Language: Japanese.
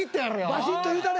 バシッと言うたれ。